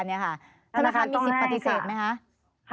ธนาคารมีสิทธิปฏิเสธไหมคะ